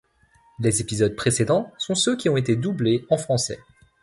Les épisodes présents sont ceux qui ont été doublés en français.